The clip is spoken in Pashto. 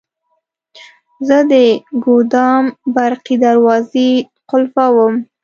زه د ګودام برقي دروازې قلفووم.